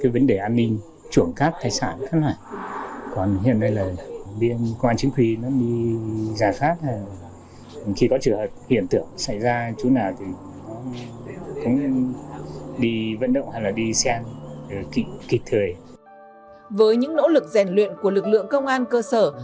với những nỗ lực rèn luyện của lực lượng công an cơ sở